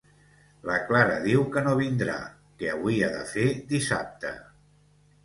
La Clara diu que no vindrà, que avui ha de fer dissabte.